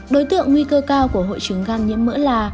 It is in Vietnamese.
đối tượng nguy cơ cao của hội chứng gan nhiễm mỡ là